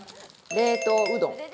冷凍うどん。